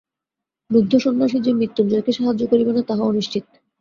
লুব্ধ সন্ন্যাসী যে মৃত্যুঞ্জয়কে সাহায্য করিবে না তাহাও নিশ্চিত।